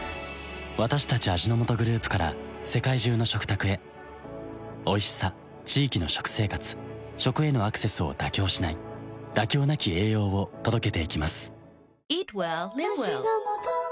私たち味の素グループから世界中の食卓へおいしさ地域の食生活食へのアクセスを妥協しない「妥協なき栄養」を届けていきます